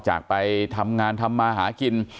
อยากให้สังคมรับรู้ด้วย